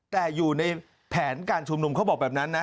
แต่อยู่ในแผนการชุมนุมเขาบอกแบบนั้นนะ